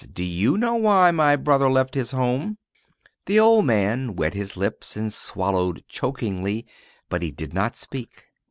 Do you know why my brother left his home?" The old man wet his lips and swallowed chokingly, but he did not speak.